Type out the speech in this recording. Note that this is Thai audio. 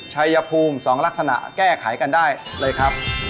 ชัยภูมิ๒ลักษณะแก้ไขกันได้เลยครับ